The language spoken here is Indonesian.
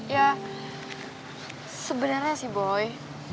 ya sebenarnya sih boy